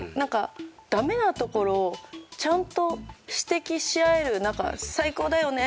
ダメなところをちゃんと指摘し合える仲最高だよね！